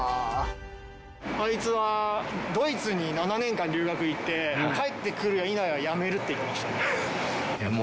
あいつはドイツに７年間留学行って帰ってくるやいなや辞めるって言ってましたね。